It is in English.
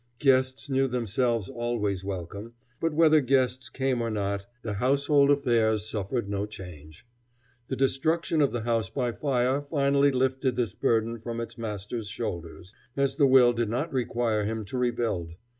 Guests knew themselves always welcome, but whether guests came or not the household affairs suffered no change. The destruction of the house by fire finally lifted this burden from its master's shoulders, as the will did not require him to rebuild.